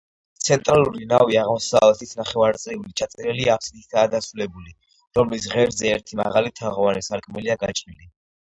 ცენტრალური ნავი აღმოსავლეთით ნახევარწიული ჩაწერილი აფსიდითაა დასრულებული, რომლის ღერძზე ერთი მაღალი, თაღოვანი სარკმელია გაჭრილი.